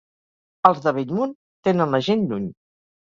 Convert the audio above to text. Els de Bellmunt tenen la gent lluny.